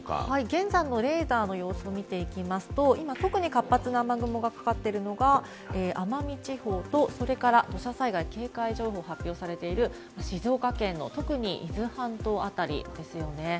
現在のレーダーの様子を見ますと、特に活発な雨雲がかかっているのが奄美地方と、土砂災害警戒情報が発表されている静岡県の、特に伊豆半島あたりですね。